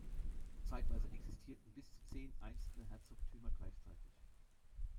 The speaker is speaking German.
Zeitweise existierten bis zu zehn einzelne Herzogtümer gleichzeitig.